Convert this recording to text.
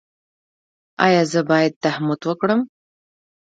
ایا زه باید تهمت وکړم؟